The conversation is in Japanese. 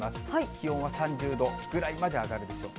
気温は３０度ぐらいまで上がるでしょう。